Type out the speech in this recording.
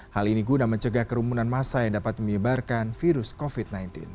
hal ini guna mencegah kerumunan masa yang dapat menyebarkan virus covid sembilan belas